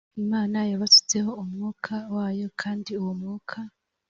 imana yabasutseho umwukaa wayo kandi uwo mwuka